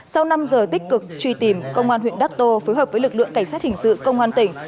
sau năm giờ tích cực truy tìm công an huyện đắc tô phối hợp với lực lượng cảnh sát hình sự công an tỉnh